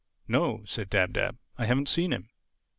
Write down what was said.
"No," said Dab Dab, "I haven't seen him."